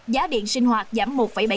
giá điện sinh hoạt giảm một bảy mươi chín